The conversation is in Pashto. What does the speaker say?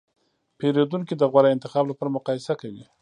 پیرودونکي د غوره انتخاب لپاره مقایسه کوي.